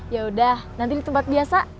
yaudah nanti di tempat biasa